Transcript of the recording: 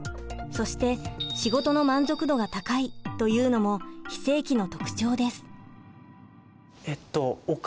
そして仕事の満足度が高いというのも非正規の特徴です。